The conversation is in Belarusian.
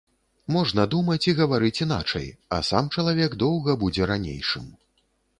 Можна думаць і гаварыць іначай, а сам чалавек доўга будзе ранейшым.